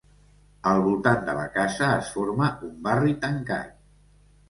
Al voltant de la casa es forma un barri tancat.